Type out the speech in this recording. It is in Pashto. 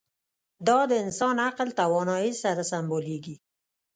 دا د انسان عقل توانایۍ سره سمبالېږي.